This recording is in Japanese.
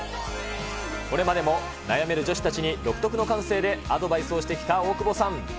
これまでも悩める女子たちに独特の感性でアドバイスをしてきた大久保さん。